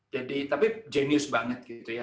jadi tapi jenius banget gitu ya